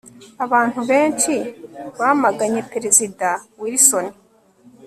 abantu benshi bamaganye perezida wilson